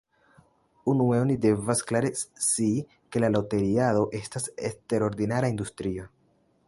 Unue, oni devas klare scii ke la loteriado estas eksterordinara industrio.